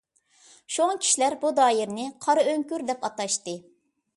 شۇڭا كىشىلەر بۇ دائىرىنى «قارا ئۆڭكۈر» دەپ ئاتاشتى.